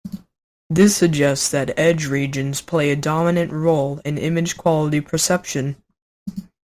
This suggests that edge regions play a dominant role in image quality perception.